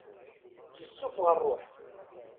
Yessuffeɣ rruḥ.